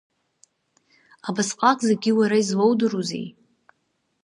Абасҟак зегьы уара излоудыруазеи?